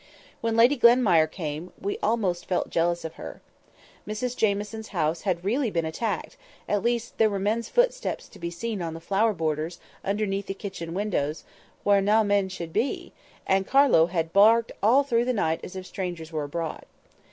When Lady Glenmire came, we almost felt jealous of her. Mrs Jamieson's house had really been attacked; at least there were men's footsteps to be seen on the flower borders, underneath the kitchen windows, "where nae men should be;" and Carlo had barked all through the night as if strangers were abroad.